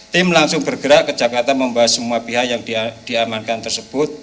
tim langsung bergerak ke jakarta membahas semua pihak yang diamankan tersebut